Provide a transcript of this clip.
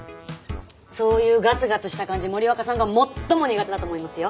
そういうガツガツした感じ森若さんが最も苦手だと思いますよ。